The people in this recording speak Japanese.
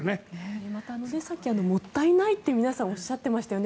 また、さっきもったいないと皆さんおっしゃっていましたよね。